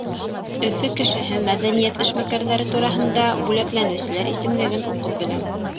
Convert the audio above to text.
Өфө кешеһе мәҙәниәт эшмәкәрҙәре тураһында бүләкләнеүселәр исемлеген уҡып белә.